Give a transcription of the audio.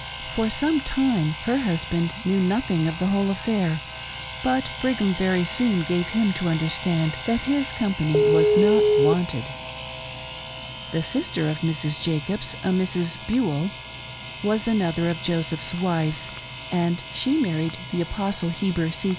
For some time her husband knew nothing of the whole affair, but Brigham very soon gave him to understand that his company was not wanted. The sister of Mrs. Jacobs A STRONG MINDED, ANGULAR, "SPIRITUAL" WIFE. 2$ 3 —a Mrs. Buel — was another of Joseph's wives, and she mar ried the Apostle Heber C.